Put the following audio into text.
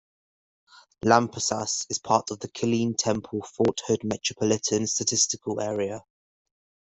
Lampasas is part of the Killeen-Temple-Fort Hood Metropolitan Statistical Area.